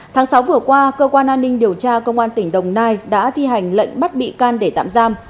tháng sáu vừa qua cơ quan an ninh điều tra công an tỉnh đồng nai đã thi hành lệnh bắt bị can để tạm giam